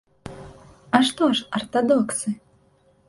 А што ж артадоксы?